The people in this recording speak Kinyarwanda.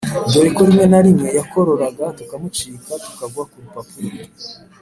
dore ko rimwe na rimwe yakoraraga tukamucika tukagwa kurupapuro,